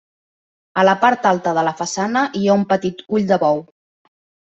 A la part alta de la façana hi ha un petit ull de bou.